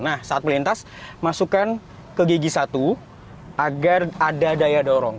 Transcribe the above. nah saat melintas masukkan ke gigi satu agar ada daya dorong